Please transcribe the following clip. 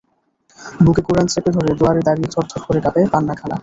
বুকে কোরআন চেপে ধরে দুয়ারে দাঁড়িয়ে থরথর করে কাঁপে পান্না খালা।